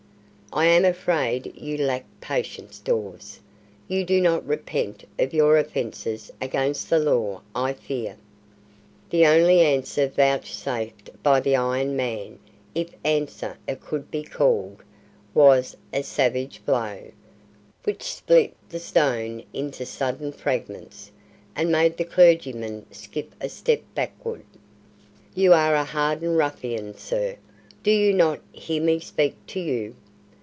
"I am afraid you lack patience, Dawes. You do not repent of your offences against the law, I fear." The only answer vouchsafed by the ironed man if answer it could be called was a savage blow, which split the stone into sudden fragments, and made the clergyman skip a step backward. "You are a hardened ruffian, sir! Do you not hear me speak to you?"